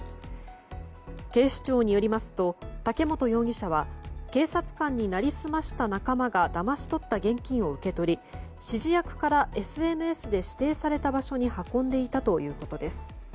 警視庁によりますと嵩元容疑者は警察官に成り済ました仲間がだまし取った現金を受け取り指示役からＳＮＳで指定された場所に運んでいたということです。